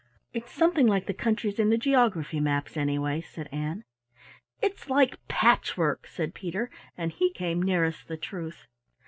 "It's something like the countries in the geography maps, anyway," said Ann. "It's like patchwork," said Peter, and he came nearest the truth.